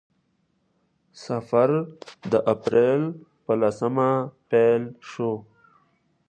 سفر د اپریل په لسمه پیل شو.